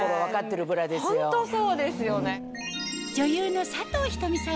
ホントそうですよね。